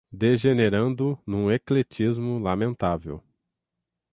degenerando num ecletismo lamentável